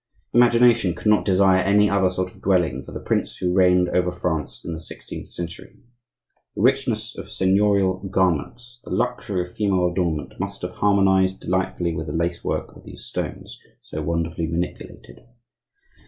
Imagination could not desire any other sort of dwelling for the prince who reigned over France in the sixteenth century. The richness of seignorial garments, the luxury of female adornment, must have harmonized delightfully with the lace work of these stones so wonderfully manipulated.